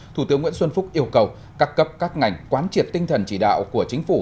thủ tướng nguyễn xuân phúc yêu cầu các cấp các ngành quán triệt tinh thần chỉ đạo của chính phủ